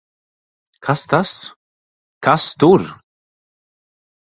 Kas tas! Kas tur!